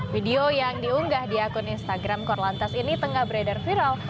video yang diunggah di akun instagram korlantas ini tengah beredar viral